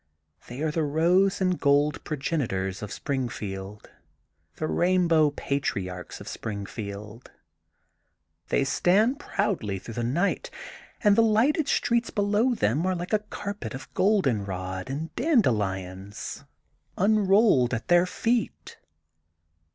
'*They are the rose and gold progenitors of Sprinfield, the rainbow patriarchs of Spring field. They stand proudly through the night and the lighted streets below them are like a carpet of goldenrod and dandelions unrolled THE GOLDEN BOOK OF SPRINGFIELD 223 at their feet.